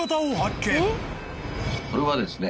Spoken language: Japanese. これはですね。